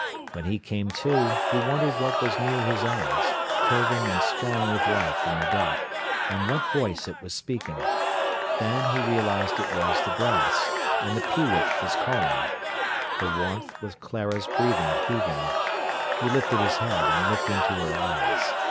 When he came to, he wondered what was near his eyes, curving and strong with life in the dark, and what voice it was speaking. Then he realised it was the grass, and the peewit was calling. The warmth was Clara's breathing heaving. He lifted his head, and looked into her eyes.